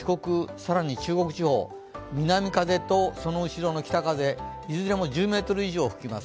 更に中国地方、南風とその後ろの北風、いずれも１０メートル以上吹きます。